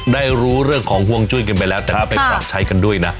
ได้รู้เรื่องของห่วงจุ้ยกันไปแล้วแต่ก็ไปปรับใช้กันด้วยนะ